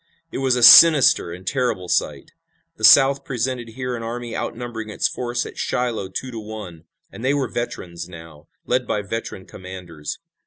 It was a sinister and terrible sight. The South presented here an army outnumbering its force at Shiloh two to one, and they were veterans now, led by veteran commanders.